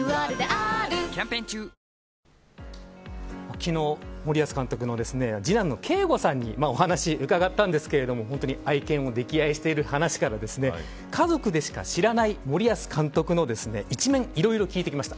昨日、森保監督の次男のけーごさんにお話を伺ったんですけれども愛犬を溺愛している話から家族でしか知らない森保監督の一面、いろいろ聞いてきました。